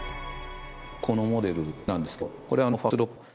このモデルなんですけど。